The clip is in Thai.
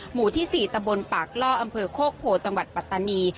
หมู่ที่๔ตะบนปากล่ออำเภอโคกโพจังหวัดปัตตานี